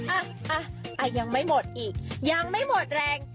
อ่ะยังไม่หมดอีกยังไม่หมดแรง